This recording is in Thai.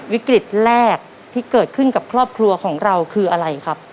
วิกฤตแรกที่เกิดขึ้นกับครอบครัวของเราคืออะไรครับ